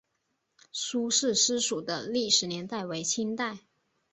苏氏私塾的历史年代为清代。